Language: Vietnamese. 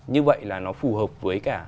như vậy là nó phù hợp với cả